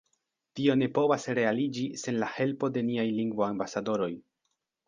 Tio ne povas realiĝi sen la helpo de niaj lingvoambasadoroj.